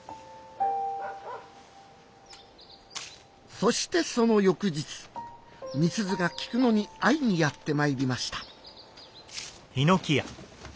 そしてその翌日美鈴が菊野に会いにやってまいりました。